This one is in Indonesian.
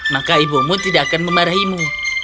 maka ibumu tidak akan memarahimu